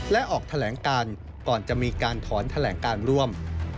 และออกแถลงการก่อนจะมีการถอนแถลงการร่วม